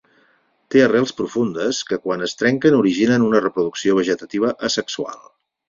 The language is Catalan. Té arrels profundes que quan es trenquen originen una reproducció vegetativa asexual.